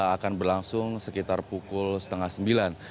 akan berlangsung sekitar pukul setengah sembilan